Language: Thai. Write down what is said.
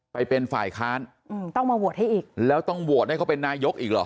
ไปเป็นฝ่ายค้านอืมต้องมาโหวตให้อีกแล้วต้องโหวตให้เขาเป็นนายกอีกเหรอ